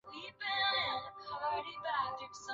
牛扁为毛茛科乌头属下的一个变种。